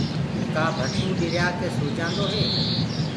ڪآ ڀٽوُ ڏريآ ڪي سوجآندو هي؟